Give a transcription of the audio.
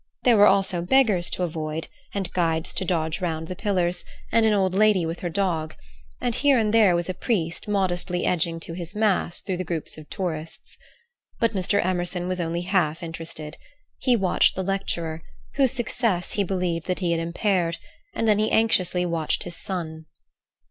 There were also beggars to avoid and guides to dodge round the pillars, and an old lady with her dog, and here and there a priest modestly edging to his Mass through the groups of tourists. But Mr. Emerson was only half interested. He watched the lecturer, whose success he believed he had impaired, and then he anxiously watched his son.